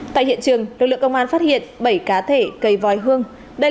tại hiện trường lực lượng công an phát hiện bảy cá thể cây vòi hương